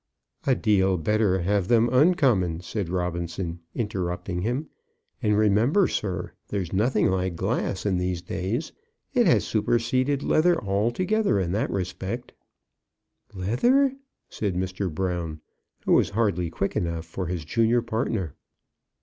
"A deal better have them uncommon," said Robinson, interrupting him. "And remember, sir, there's nothing like glass in these days. It has superseded leather altogether in that respect." "Leather!" said Mr. Brown, who was hardly quick enough for his junior partner.